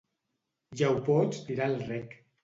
Ja ho pots tirar al rec.